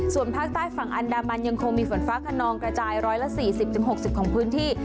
ส่วนภาคใต้ฝั่งอันดามันยังคงมีฝนฟ้าขนองกระจายร้อยละสี่สิบถึงหกสิบของพื้นที่